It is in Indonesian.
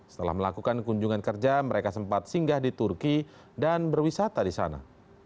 setelah melakukan kunjungan kerja mereka sempat singgah di turki dan berwisata di sana